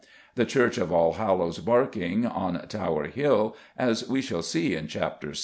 The Church of Allhallows Barking, on Tower Hill, as we shall see in Chapter VI.